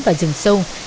vào rừng sâu